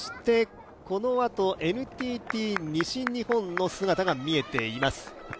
このあとＮＴＴ西日本の姿が見えています。